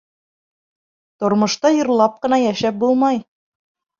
Тормошта йырлап ҡына йәшәп булмай.